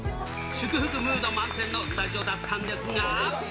祝福ムード満点のスタジオだったんですが。